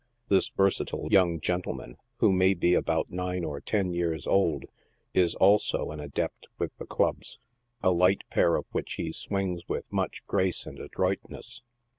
This versatile young gentleman, who may be about nine or ten years old, is also an adept with the clubs, a light pair of which he swings with much grace and adroit ness.